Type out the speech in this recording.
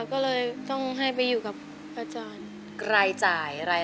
ก็ต้องให้ไปอยู่กับอาจารย์